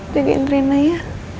jagain rina ya